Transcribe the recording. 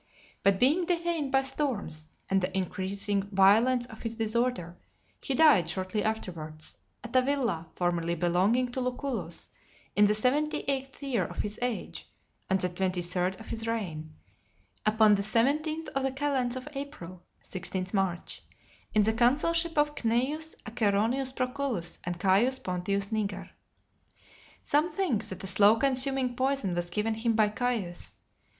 But being detained by storms, and the increasing violence of his disorder, he died shortly afterwards, at a villa formerly belonging to Lucullus, in the seventy eighth year of his age , and the twenty third of his reign, upon the seventeenth of the calends of April (16th March), in the consulship of Cneius Acerronius Proculus and Caius Pontius Niger. Some think that a slow consuming poison was given him by Caius .